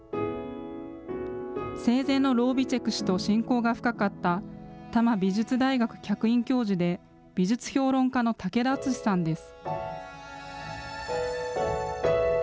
生前のロゥビチェク氏と親交が深かった、多摩美術大学客員教授で美術評論家の武田厚さんです。